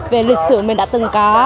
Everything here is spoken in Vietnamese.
về lịch sử mình đã từng có